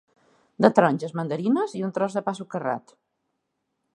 De taronges mandarines i un tros de pa socarrat.